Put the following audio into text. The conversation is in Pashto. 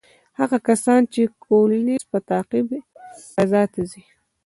هغه کسان چې د کولینز په تعقیب فضا ته ځي،